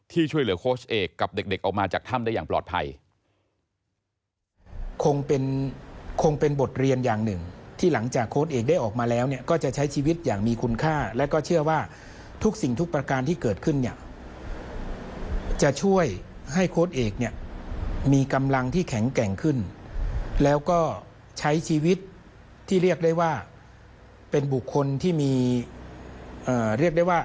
ช่วยเหลือโค้ชเอกกับเด็กออกมาจากถ้ำได้อย่างปลอดภัย